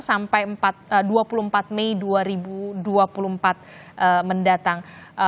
sampai dua puluh empat mei dua ribu dua puluh empat mendatang